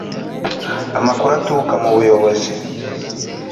amakuru aturuka mu buyobozi